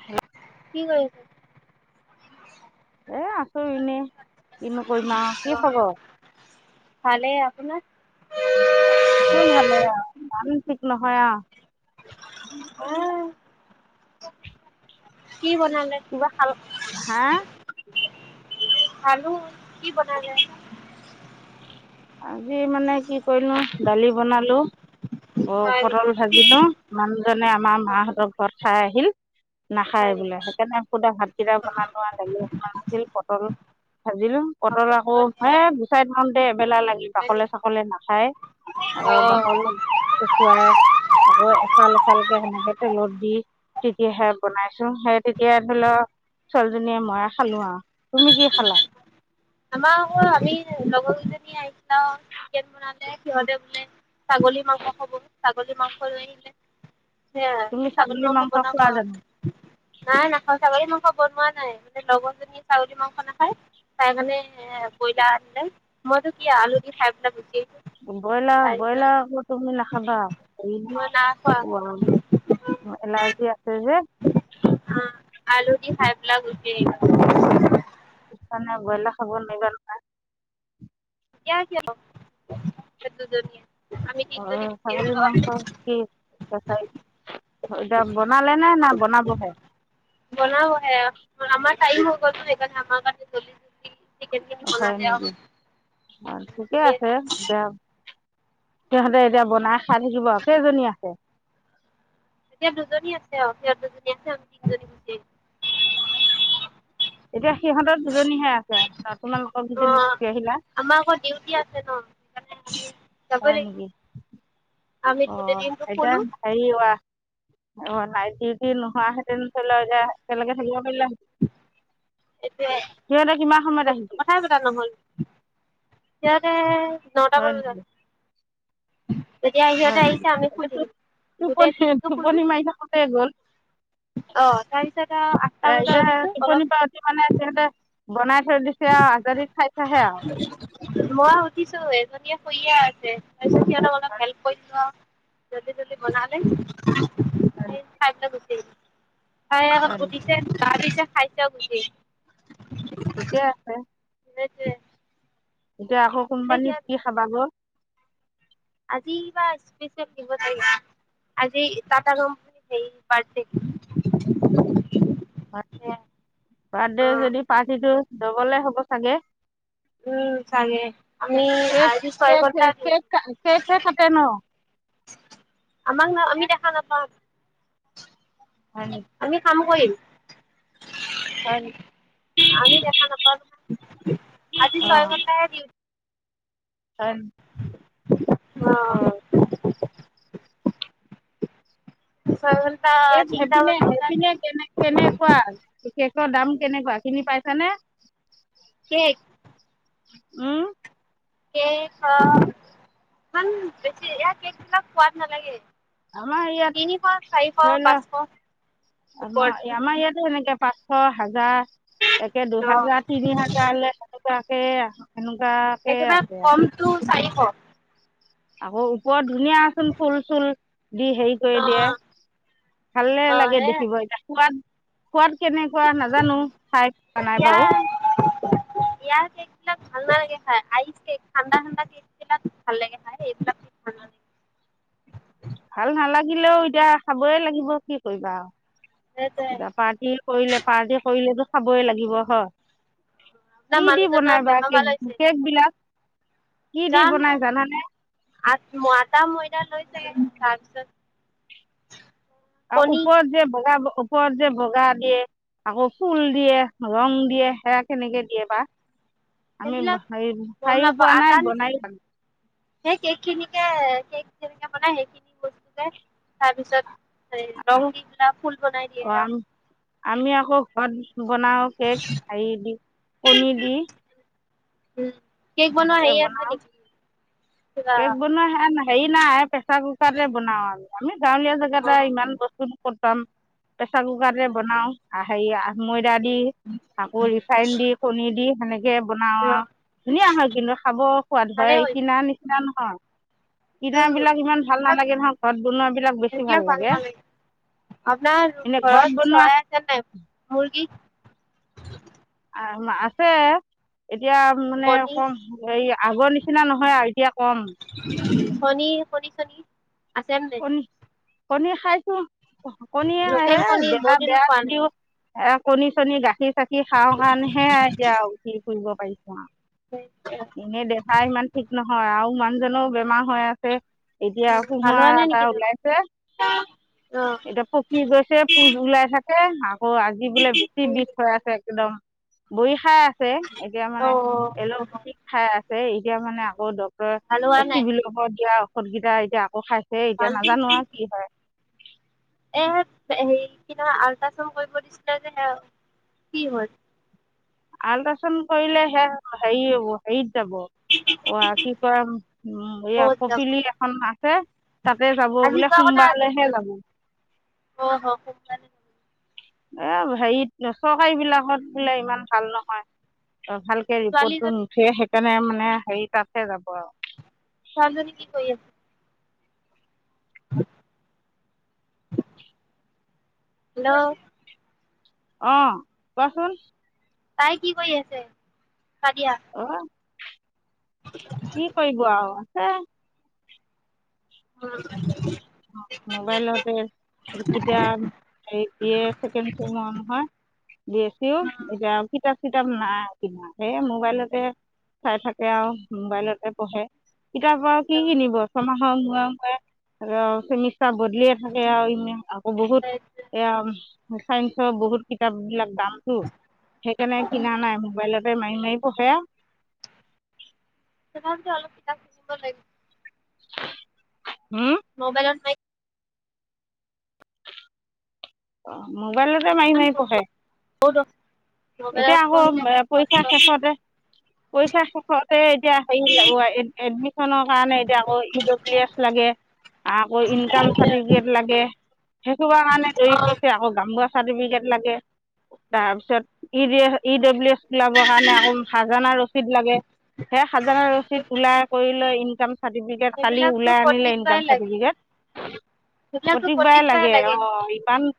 হয় [unintelligible] কি কৰিছ এ আছোঁ‌ এনে। কিনো কম আও কি খবৰ? ভালে আপোনাৰ? এক ভালে আৰু কাৰ ঠিক নহয়য় [unintelligible] উ কিবা খাল হা ভলু কি বনাই দ আছো [unintelligible] আজি মানে কি কৰিলো দালি বনালো হয় নেকি? পটল ভাজিলো, মানুহজনে আমাৰ হয় নেকি? মাহঁতৰ ঘৰত খাই আহিল। নাখায় হয় বোলে। নেকি? সেইকাৰণে শুদা ভাতকেইটা বনোৱা আও দালি অকনমান আছিল পটল ভাজিলো পতল আকৌ হ গুচাই থাকোঁতে বেলেগ লাগে বাকলে চাকলে নাখায় আকৌ অ', বাকল খুৱাই আকৌ এফাল এফালকে সেনেকে তেলত দি তেতিয়াহে বনাইছো সেই তেতিয়া ধুই লও ছোৱালীজনীয়ে মইে খালো আও তুমি কি খালা। আমাৰ ক আমি লগৰ কেইজনী আহছিলাও চিকেন বনালে সিহঁতে বোলে। ছাগলী মাংস খাব ছাগলী মাংস লৈ আহিলে। তুমি হেইয়া ছাগলী মাংস বনাব খোৱা আও জানো নাই ন খ চাগ ম বনোৱা নাই মানে লগৰজনীয়ে ছাগলী মাংস নাখায় তাই মানে। বইলাৰ আনিলে মইতো কি আলু দি খাই পেলাই গুচি আহিছো। ব্ৰইলাৰ তাৰপিছত ব্ৰইলাৰ আকৌ তুমি নাখাবা হেই মই নাই খোৱা নহয় এলাৰ্জি আছে যে আ আলু দি খাই পেলাই গুচি আহিলোঁ। মণে ব্ৰইলাৰ খাব নোৱাৰিবা নহয়। ক কিয় এ দুজননে [unintelligible] অ' ছাগলী মাংস কি এতিয়া বনালে নে না বনাবহে। বনাবহে [unintelligible] আমাৰ টাইম হ' নো এখে আমা কাৰ চলিছ িকনে কে বল দে [unintelligible] অ' ঠিকে আছে দাম। ক দে [unintelligible] এতিয়া বনাই খাই থাকিব আও কেইজনী আছে। এতিয়া দুজনী আছে আৰু দুজনী আছে। আমি তিনিজনী গ এতিয়া সিহঁতৰ দুজনীহে আছে আৰু তোমালোকক অ দুজনী গুচি আহিলা। আমাৰ আকৌ ডিউটি আছে ন সেইকাৰণে আমি যাবই হয় লাগিব নকি? আমি গোটেই অ' দিনটো এতিয়া শুলো হেৰি আ, অ' নাইট ডিউটি নোহোৱা হেতেন ধৰি লও এতিয়া একেলগে থাকিব মিল [unintelligible] এতিয়া কথাই পতা নহ'ল। সিহঁতে নটা হয় বজাত নেকি [inaudible] যেতিয়া সিহঁতে হয় নেকি আহিছে আমি শুই এতিয়া থাকিম, গোট টোপনি দিনটো শুলো টোপনি মাৰি থাকোঁতে গ'ল অ' তাৰপিছত আঠটা বজাত এতিয়া উধছো অলপ টোপনিৰ পৰা উঠি মানে সিহঁতে বনাই থৈ দিছে আৰু আজাদি খাইছেহে আৰু মই সুধিছো এজনীয়ে শুয়েই আছে। তাৰপিছত সিহঁতক অলপ হেল্প কৰি দলো আৰু। জল্দি জল্দি বনালে। হয় তে নেকি ফাইদ গট [unintelligible] তাই আকৌ হয় নেকি উঠিছে গা ধুইছে, খাইছে বুজি ঠিকে আছে। সেইটোৱে। এতিয়া আকৌ তে কোম্পানীত সিহঁত কি খাবাগৈ আজি বা স্পেচিয় দিব আজি টাটা কোম্পানীৰ বিৰ্থদে। হয় নেকি অ', দবলে হ'ব চাগে। উম, চাগে আমি কেক আজি ছয় কেক ঘণ্টা কেক দিও কেকহে [unintelligible] কাটে ন আমাক ন আমি দেখ নাপাওঁ। হয় নি আমি সাম শই হয় [unintelligible] আমি দেখা নাপাওঁ আজি ছয় অঁ ঘন্টাহে দি হয়, অ' চাগল [unintelligible] হেপিনে-হেপিনে কেনে কেনেকুৱা বিশষ। দাম কেনেকুৱা কিনি পাইছানে। কেক। উম। কেক স ইমান বেছি ইমান কেক বিলাক সোৱাদ নালাগে। আমাৰ তিনিশ ইয়াত চাৰিশ ধৰি পাঁচশ লোৱা ওপৰত আমাৰ আমাৰ ইয়াতে সেনেকে পাঁচশ হাজাৰ। তে অ দুহাজাৰ তিনি হাজাৰে তেনেকুৱা ক। সেয়া। একেবাৰে কমটো চাৰিশ। আকৌ ওপৰত ধুনীয়াচোন ফুল চুল দি হেৰি কৰি দিয়ে ভালে অ লাগে হে দেখিব এতিয়া সোৱাদ। সোৱাদ কেনেকুৱা নাজানো খাই খোৱা নাই বাৰু। ইয়াৰ ইয়াৰ কেক বিলাক ভাল নালাগে খাই আইচ কেক ঠাণ্ডা ঠাণ্ডা কেক বিলাক ভাল লাগে খাই হ এইবিলাক ভাল নালাগে। ভাল নালাগিলেও এতিয়া খাবই লাগিব কি কৰিবা সেইটোৱে আৰু। কা পাৰ্টি কৰিলে পাৰ্টি কৰিলেতো। খাবই লাগিব হয়। আপোনাৰ কি দি মানুহজনৰ বনাই বাা বেমাৰ ভাল কেক হৈছে কেক বিলাক। জানো আ আটা ময়দালৈ। ছ [unintelligible] উপৰত যে বগা। ওপৰত যে বগা দিয়ে আকৌ ফুল দিয়ে ৰং দিয়ে সেয়া কেনেকে দিয়ে বা। আমি সেইবিলাক হেৰি গম খায়ো পোৱা নাপাও নাই আটাৰ বনায়ো পোৱা নিচিনা সেই কেক খিনিকে। কে কেনেে বনাই সেইখিনি বস্তু যে তাৰপিছত। ৰহংগী কলা ফুল বনাই দিয়ে আ। নাই অঁ।। বনাও কেক হেৰি দি কণী দি। উম কেক বনোৱা সেনেকে হেৰি বনাওঁ আছে নেকি কিবা। কেক বনোৱা হেৰি নাই প্ৰেছাৰ কুকাৰটোৱে বনাওঁ আমি আমি। গাঁৱলীয়া জেগা অ এটা ইমান বস্তু ন। পতাম। প্ৰেছাৰ কুকাৰ ৰে ভালে বনাও কৰিছে আহ। ে [unintelligible] দি আকৌ ৰিফাইন দি কণী দি। কে বনাৱাও। ধুনীয়া হয় কিন্তু খাব সোৱাদ হয় এই কিনা নিচিনা। টানহ। কিনা উম বিলাক ইমান ভাল এইবিলাক নালাগে নহয়। ঘৰত বনোৱাাবলাক বেছি ভাল এইবিলাক লাগে। নালাগে আপোনাৰ এনে ঘৰত বনোৱা। চৰাই আছে নাই? [unintelligible] আছে। এতিয়া মানে কণী কম হয়া। আগৰ নিচিনা নহয় আ এতিয়া। কম [unintelligible] শনি শনিছনি। আছেনে। কণী কণী খাইছো। সকনিয়ে আহে কণী দেহা বহুত দিন বেয়া খোৱা নাই। যদিও। কণ চনি গাখীৰ। চাকি খাওঁ কাৰণহে এতিয়া উঠ ফুৰিব। পাৰিছোঁ এনেই দেখা ইমান ঠিক নহয় আৰু মান কিজাও বেমাৰ হৈ আছে। এতিয়া ভাল হোৱা নাই সোমোৱা। নেকি বেমাৰ? ওলাইছে অ এতিয়া পকী গৈছে পোজ ওলাই থাকে। অ আজি বোলে বেছি বিষ হৈ আছে একদম। বৰিশা। আছে এতিয়া অ মানে অ এলপেথিক খাই আছে। এতিয়া মানে আকৌ। ভাল হোৱা চি নাই বিল হ দিয়া। পতকেইটা এতিয়া আকৌ খাই। হেই এতিয়া ভাল নাজানো আৰু কি হয়। এ হেৰি কি আল্ট্ৰাচাউড কৰিব দিছিলে যে স কি হল। আল্ট্ৰাচাউণ্ড কৰিলে সে হে হ। যাব অ কি কয় উ এই ক'ত যাব কপিলি এখন আছে তাতে যাব আজি বোলে যোৱা কথা সোমবাৰলৈহে আছিলচোন যাব। অ হয় খুব ব ল। এ হেৰিত চৰকাৰী বিলাকত বোলে ইমান ভাল নহয়। অ ভালকে ৰিপৰ্টটো ছোৱালীজনী নুঠিয়ে শ। তেনে মানে হেৰি তাতহে যাব আৰু। চাল ন কি কৰি আছে। হেল্ল' অ' কোৱাচোন। তাই কি কৰি আছে? কেতিয়া অ কি কৰি গোৱা হ আহ উম মোবাইলতে কিতাপে হয় চিও এতিয়া কিতাপ কিতাপ নাই কিনা সে মোবাইলতে চাই থাকে আৰু মোবাইলতে পঢ়ে। কিতাপ পৰা কি কিনিব চ [inaudible] হ আ চিনি বতা বদলিয়ে থাকে আৰু আকৌ বহুত এয়া ছাইন্সৰ বহুত কিতাপ বিলাক। দামতটো সেইকাৰণে কিনা নাই মোবাইলত। মোকে মাৰি মাৰি পঢ়ে আও সহতো অলপ কিতাপ কিনিব লাগিব। হম মোবাইলত নাই অ' মোবাইলতে মাৰি কিমান মাৰি পঢ়িব পঢ়ে। এতিয়া মোবাইলত আকৌ পঢ়িলে অ পৰীক্ষা শেষতে পৰীক্ষা শেষতে এতিয়া হে এডমিশনৰ কাৰণে এতিয়া আকৌ ই ডব্লিউ এছ লাগে আকৌ ইনকাম চাৰ্টিফিকেট লাগে। সেই কাৰণে দেৰি ছে আকৌ গাম গ চাৰ্টিফিকেট লাগে তাৰপিছত ই ই ডাব্লিউ এ ওলাবৰ কাৰণে আকৌ হাজানা ৰচিদ লাগে সেই হাজানা ৰছিদ ওলাই কৰি লৈ ইনকাম চাৰ্টিফিকেট কালি সেইবিলাকতো ওলাই আনিলে প্ৰতিকবাই ইনকাম লাগে চাৰ্টিফিকেট সেইবিলাকতো প্ৰতিবাৰে প্ৰতিকবাই লাগে অ' ইমান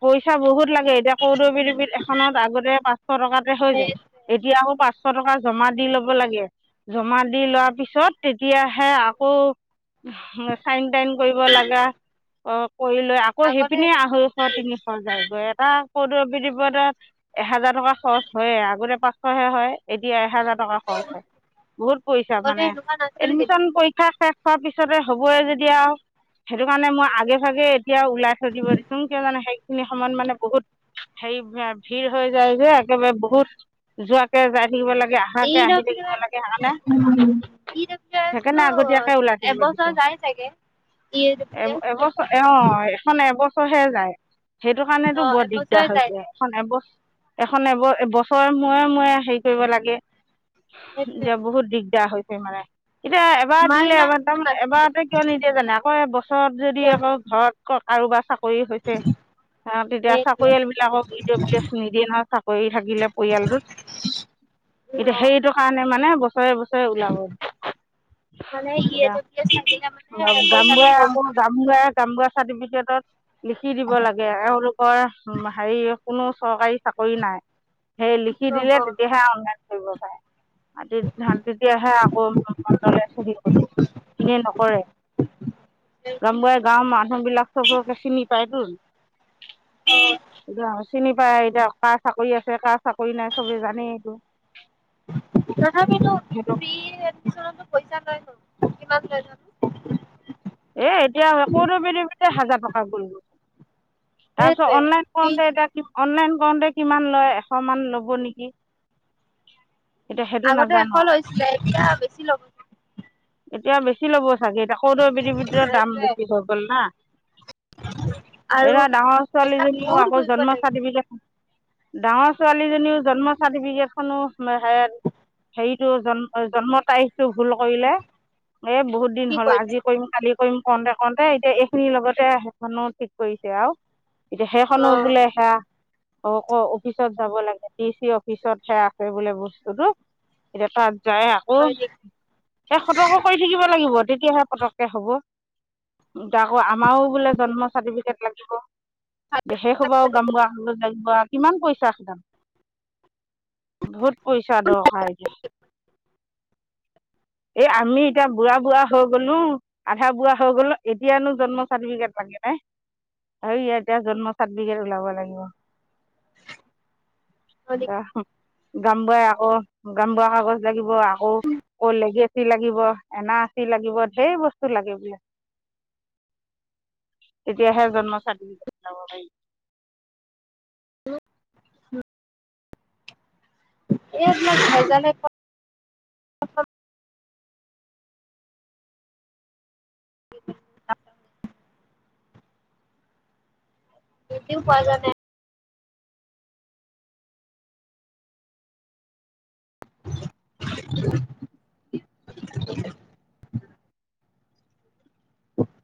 পইচা বহুত। লাগে এতিয়া কৌদবিবিধ এখনত আগতে পাঁচশ টকাতে হৈ সেই যায় এতিয়া আকৌ পাঁচশ টকা জমা দি লব লাগে জমা দি লোৱাৰ পিছত এতিয়াহে আকৌ চাইনটাইন কৰিব লাগা কৰি লৈ আকৌ সেই আগতে পিনে এনেকুৱা আঢ়ৈশ নাছিল তিনিশ যায়গৈ এটা। পদত এহেজাৰ টকা খৰচ হয়ে আগতে পাঁচশহে হয় এতিয়া এহেজাৰ বহু টকা খৰচ হয় বহুত পইচা আগতে মানে এনেকুৱা নাছিল এডমিশন পৰীক্ষা শেষ। চোৱাৰ পিছতে হ'বে [unintelligible] যেতিয়া সেইটো কাৰণে মই কিন্তু আগে ভাগে এতিয়া ওলাই দিব দিছো কিয় মানে সেইখিনি সময়ত মানে বহুত হেৰি ভিৰ হৈ যায় যে একেবাৰে বহুত যোৱাকে যাই। থাকিব লাগে ই আহাকে আহি ডব্লিউ থাকিব এছ লাগে সেইকাৰণে ই ডব্লিউ সেইকাৰণে এছটো আগতীয়াকে ওলাই থাকিব এবছৰ দিছো যায় চাগে ই ডব্লিউ এছ এব চ অ। এবছৰহে যায়। সেইটো কাৰণেতো অ বৰ দিগদাৰ এবছৰ যায় হৈছে এখন এব। এখন এব এবছৰ মূৰে মূৰে হেৰি কৰিব লাগে। সেইটোৱে দে বহুত দিগদাৰ হৈ। কেমেৰা। এতিয়া এবাৰ আমাৰ দিলে দিনত এবাৰ ইমান তাৰমানে নাছিলে এবাৰ কিয় নিদিয়ে জানা। ক বস চৰত যদি আকৌ ঘৰত [unintelligible] চাকৰি হৈছে তেতিয়া চাকৰিয়াল সেইটোৱে বিলাকক ই ডব্লি এচ নিদিয়ে নহয় চাকৰি থাকিলে পৰিয়ালটোত এতিয়া অ সেইটোৰ কাৰণে মানে বস্তু। হয়। ওলাব মানে ই এ ডব্লিউ এছ থাকিলে মানে পইচাটো গামাই কম আকৌ গামাই। [unintelligible] চাৰ্টিফিকেট। লিখি দিব লাগে এওঁলোকৰ হেৰি। কোনো চৰকাৰী চাকৰি নাই। সেই লিখি দিলে হয় তেতিয়াহে অনলাইন কৰিব পাৰে মাটি ধান তেতিয়াহে আকৌ মণ্ডলে চহী কৰিব এনেই নকৰে গাম গাই গাওৰ মানুহ। বিলাক চবকে চিনি পাই টো। এ। চিনি পাই এতিয়া কাৰ চাকৰি আছে কাৰ চাকৰি নাই চবে জানেই এইটো। তথাপিটো সেইটো ফ্ৰী এডমিনতো পইচা লয়। কিমান লয় জানো। এ এতিয়া কাউৎএফিদাবিত হাজাৰ টকা গল গৈ। তাৰপিছত সেইটোৱে অনলাইন ফিজ কৰোঁতে এতিয়া কিমান। অনলাইন কৰোতে কিমান লয় এশ মান ল'ব নেকি। এতিয়া সেইটো আগতে নাজানো এশ আৰু লৈছিলে এতিয়া বেছি লব। এতিয়া বেছি ল'ব। ছাগে এতিয়া কৌদৰ আফিদাবিদ দাম সেইটোৱে বেছি হৈ গল না আৰু এতিয়া ডাঙৰ সেইবিলাক ছোৱালীজনীও বহুত আকৌ ঘূৰিব জন্ম লাগিব চাৰ্টিফিকেট। ডাঙৰ ছোৱালীজনীও জন্ম চাৰ্টিফিকেট খনো। ই হে হেৰি। টো জন্ম জন্মৰ তাৰিখটো ভুল কৰিলে এ বহুত দিন কি হ'ল কৰিলে আজি কৰিম কালি কৰিম কওঁতে তে এতিয়া এইখিনিৰ লগতে আহ মানুহ ঠিক কৰিছে আৰু এতিয়া সেইখনো অ বোলে সেয়া অ অ অফিচত যাব লাগে ডি চি অফিচতহে আছে বোলে বস্তুতটো এতিয়া তাত যাই আকৌ হয় নেকি সেই সতৰ্ক কৰি থাকিব লাগিব তেতিয়াহে পতককে হ'ব এতিয়া আকৌ আমাৰো বোলে জন্ম চাৰ্টিফিকেট লাগিব হেইহুপা গাঁও বোৰা কাগজ লাগিব কিমান পইচা বহুত পইচা দৰকাৰ এতিয়া এই আমি এতিয়া বুঢ়া বুঢ়া হৈ গলো আধা বুঢ়া হৈ গলো এতিয়ানো জন্ম চাৰ্টিফিকেট লাগে নাই আৰু ই এতিয়া জন্ম চাৰ্টিফিকেট ওলাব লাগিব এইবিলাক [inaudible] গাম বুঢ়াই আকৌ গাম বুঢ়া কাগজ লাগিব আকৌ অ লিগেচি লাগিব এনাৰ চি লাগিব ঢেৰ বস্তু লাগে বোলে তেতিয়াহে জন্ম চাৰ্টিফিকেট ওলাব পাৰিব [inaudible] এই মই খাই য পোৱা কি পোৱা যান নাই